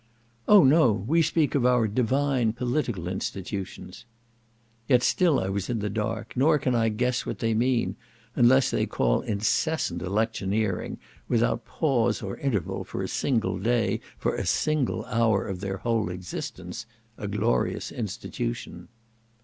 "Oh no! we speak of our divine political institutions." Yet still I was in the dark, nor can I guess what they mean, unless they call incessant electioneering, without pause or interval for a single day, for a single hour, of their whole existence, "a glorious institution."